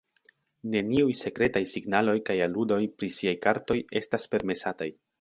Neniuj sekretaj signaloj kaj aludoj pri siaj kartoj estas permesataj.